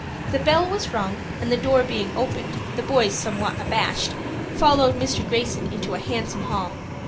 The bell was rung, and the door being opened, the boys, somewhat abashed, followed Mr. Greyson into a handsome hall.